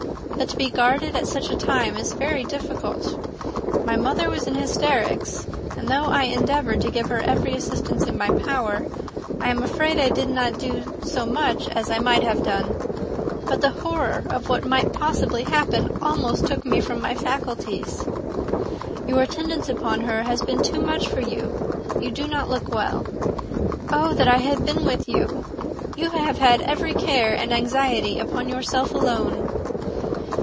But to be guarded at such a time is very difficult. My mother was in hysterics; and though I endeavoured to give her every assistance in my power, I am afraid I did not do so much as I might have done. But the horror of what might possibly happen almost took from me my faculties." "Your attendance upon her has been too much for you. You do not look well. Oh that I had been with you! you have had every care and anxiety upon yourself alone."